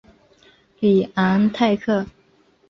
里昂泰克。